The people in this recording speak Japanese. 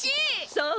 そう？